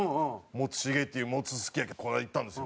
「もつ繁っていうもつすき焼きこの間行ったんですよ」